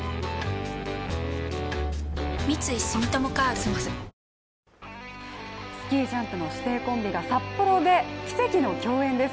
ＪＴスキージャンプの師弟コンビが札幌で奇跡の競演です。